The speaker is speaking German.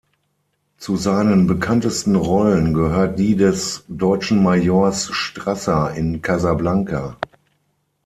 Zu seinen bekanntesten Rollen gehört die des deutschen Majors Strasser in "Casablanca".